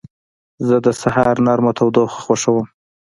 زه د سهار نرمه تودوخه خوښوم.